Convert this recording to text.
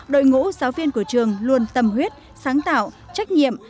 đội ngũ giáo viên của trường luôn tâm huyết sáng tạo trách nhiệm